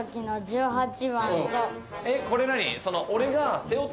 えっこれ何？